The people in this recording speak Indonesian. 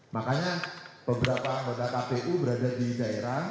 makanya beberapa anggota kpu berada di daerah